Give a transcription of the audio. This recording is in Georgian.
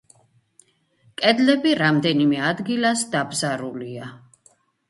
კედლები რამდენიმე ადგილას დაბზარულია.